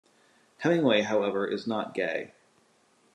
Hemingway, however, is not gay.